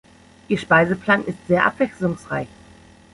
Ihr Speiseplan ist sehr abwechslungsreich.